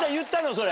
それ。